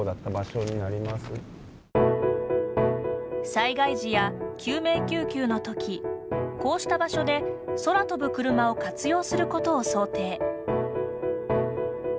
災害時や救命救急のときこうした場所で、空飛ぶクルマを活用することを想定。